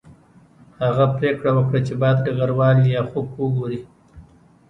هغه پریکړه وکړه چې باید ډګروال لیاخوف وګوري